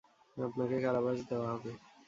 আপনাকে কারাবাস দেওয়া হবে।